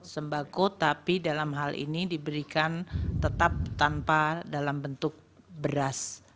sembako tapi dalam hal ini diberikan tetap tanpa dalam bentuk beras